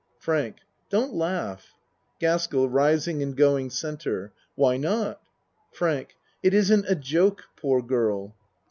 FRANK Don't laugh. GASKELL (Rising and going C.) Why not? FRANK It isn't a joke poor girl.